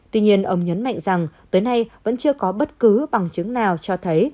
tuy nhiên ông nhấn mạnh rằng tới nay vẫn chưa có bất cứ bằng chứng nào cho thấy